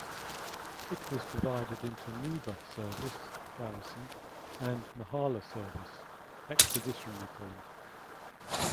It was divided into "nuba" service (garrison) and "mahalla" service (expeditionary column).